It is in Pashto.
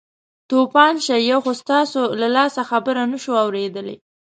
توپان شئ یو خو ستاسو له لاسه خبره نه شوو اورېدلی.